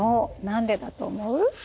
何でだと思う？